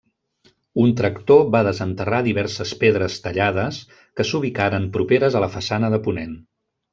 Un tractor va desenterrar diverses pedres tallades que s'ubicaren properes a la façana de ponent.